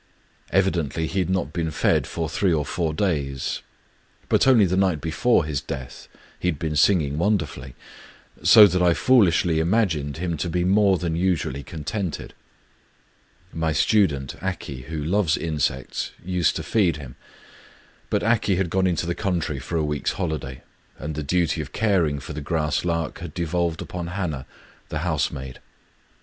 Evidently he had not been fed for three or four days; but only the night before his death he had been sing ing wonderfully, — so that I foolishly imagined him to be more than usually contented. My stu dent, Aki, who loves insects, used to feed him; but Aki had gone into the country for a week's holiday, and the duty of caring for the grass lark had devolved upon Hana, the housemaid.